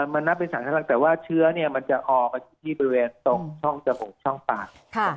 มันนับเป็นสารข้างหลังแต่ว่าเชื้อมันจะออกไปที่บริเวณตรงช่องจมูกช่องปาก